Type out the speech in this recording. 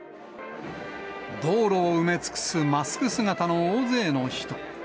道路を埋め尽くすマスク姿の大勢の人。